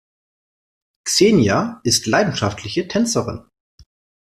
Xenia ist leidenschaftliche Tänzerin.